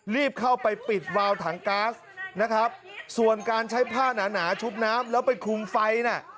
รีบเข้าไปปิดวาวถังก๊าซนะครับส่วนการใช้ผ้าหนาหนาชุบน้ำแล้วไปคุมไฟน่ะ